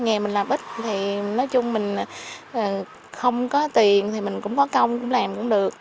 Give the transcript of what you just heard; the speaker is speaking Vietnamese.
nghề mình làm ít thì nói chung mình không có tiền thì mình cũng có công cũng làm cũng được